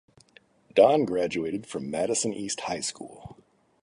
Don graduated from Madison East High School.